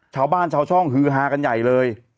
ชาวบ้านชาวช่องฮือฮากันใหญ่เลย